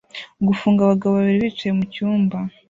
Gufunga abagabo babiri bicaye mucyumba